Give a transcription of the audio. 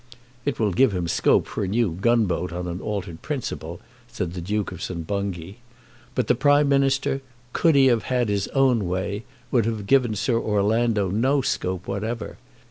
"It will give him scope for a new gun boat on an altered principle," said the Duke of St. Bungay. But the Prime Minister, could he have had his own way, would have given Sir Orlando no scope whatever.